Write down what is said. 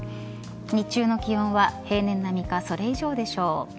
日中の気温は平年並みかそれ以上でしょう。